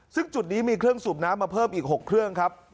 ซึ่งจุดนี้มีเครื่องสูบน้ำมาเพิ่มอีก๖เครื่องครับ